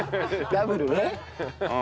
ダブルね。